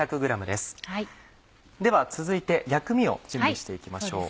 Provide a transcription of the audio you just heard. では続いて薬味を準備して行きましょう。